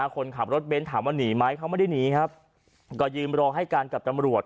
คนขับรถเบ้นถามว่าหนีไหมเขาไม่ได้หนีครับก็ยืนรอให้การกับตำรวจ